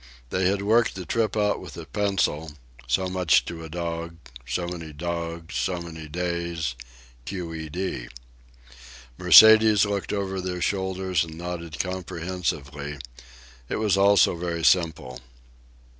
They had worked the trip out with a pencil, so much to a dog, so many dogs, so many days, Q.E.D. Mercedes looked over their shoulders and nodded comprehensively, it was all so very simple.